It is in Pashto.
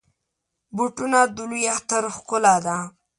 بوټونه د لوی اختر ښکلا ده.